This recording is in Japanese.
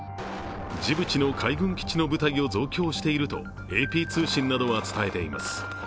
ジブチの海軍基地の部隊を増強しているとＡＰ通信などは伝えています。